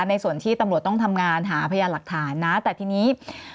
ในส่วนที่ตำรวจต้องทำงานหาพยานหลักฐานนะแต่ทีนี้